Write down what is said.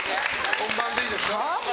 本番でいいですか？